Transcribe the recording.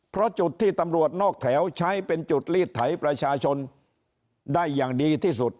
เพราะจุดที่ตำรวจนอกแถวใช้เป็นจุดลีดไถประชาชนได้อย่างดีที่สุด